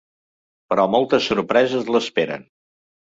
Però moltes sorpreses l'esperen.